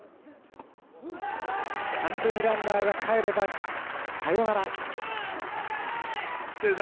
三塁ランナーがかえればサヨナラ。